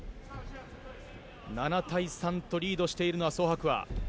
７対３とリードしているのはソ・ハクア。